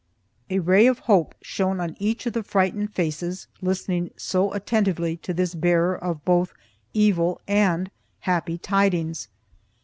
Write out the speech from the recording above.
A ray of hope shone on each of the frightened faces listening so attentively to this bearer of both evil and happy tidings.